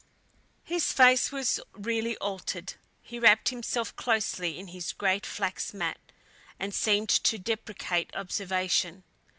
His face was really altered. He wrapped himself closely in his great flax mat and seemed to deprecate observation.